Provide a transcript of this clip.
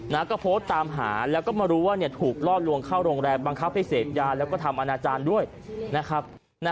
มาโพสต์ตามหาว่าถูกลอดลวงเข้าโรงแรมบังคับให้เสพยาแล้วก็ทำอนาจารก์ด้วยนะครับ